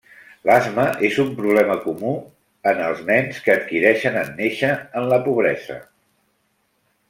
L'asma és un problema comú en els nens que adquireixen en néixer en la pobresa.